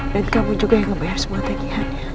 dan kamu juga yang ngebayar semua tegihannya